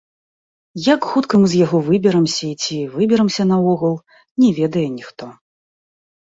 Як хутка мы з яго выберамся і ці выберамся наогул, не ведае ніхто.